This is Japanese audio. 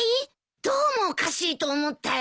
どうもおかしいと思ったよ。